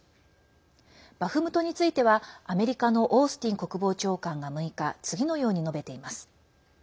バフムトについてはアメリカのオースティン国防長官が６日、次のように述べています。